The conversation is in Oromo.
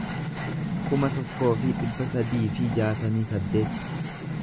kuma tokkoo fi dhibba sadii fi jaatamii saddeet